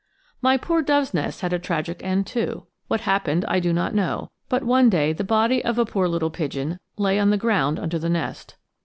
My poor dove's nest had a tragic end, too. What happened I do not know, but one day the body of a poor little pigeon lay on the ground under the nest.